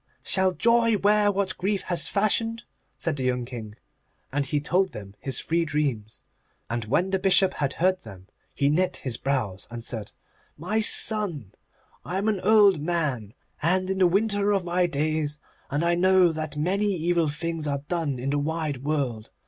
'Shall Joy wear what Grief has fashioned?' said the young King. And he told him his three dreams. And when the Bishop had heard them he knit his brows, and said, 'My son, I am an old man, and in the winter of my days, and I know that many evil things are done in the wide world.